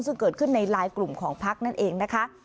ซึ่งเกิดขึ้นในไลน์กลุ่มของพักนั่นเองนะคะ